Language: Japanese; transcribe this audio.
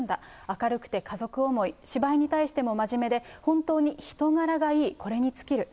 明るくて、家族思い、芝居に対しても真面目で、本当に人柄がいい、これに尽きる。